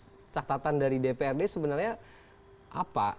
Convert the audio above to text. jadi cakatan dari dprd sebenarnya apa